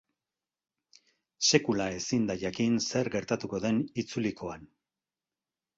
Sekula ezin da jakin zer gertatuko den itzulikoan.